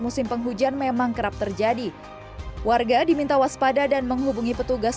musim penghujan memang kerap terjadi warga diminta waspada dan menghubungi petugas